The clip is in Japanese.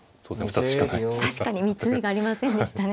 確かに３つ目がありませんでしたね。